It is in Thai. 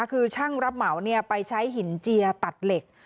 คือช่างรับเหมาไปใช้หินเจียตัดเหล็ก